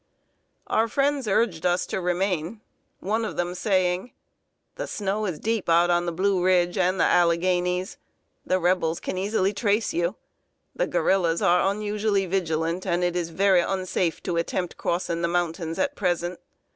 Our friends urged us to remain, one of them saying: "The snow is deep on the Blue Ridge and the Alleghanies; the Rebels can easily trace you; the guerrillas are unusually vigilant, and it is very unsafe to attempt crossing the mountains at present.